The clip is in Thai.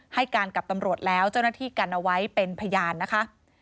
ให้การกับตำรวจแล้วเจ้าหน้าที่กันเอาไว้เป็นพยานนะคะ